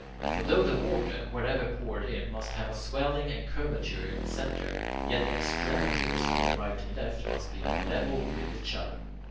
For though the water, wherever poured in, must have a swelling and curvature in the centre, yet the extremities on the right and left must be on a level with each other.